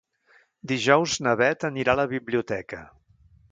Dijous na Bet anirà a la biblioteca.